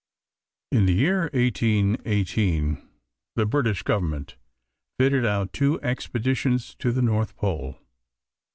In the year 1818 the British Government fitted out two expeditions to the North Pole.